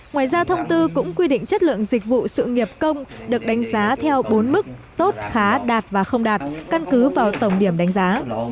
ngoài ra thông tư cũng quy định chất lượng dịch vụ sự nghiệp công được đánh giá theo bốn mức tốt khá đạt và không đạt căn cứ vào tổng điểm đánh giá